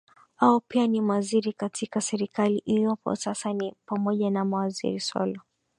ao pia ni maziri katika serikali iliopo sasa ni pamoja na waziri zolo